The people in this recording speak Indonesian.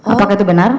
apakah itu benar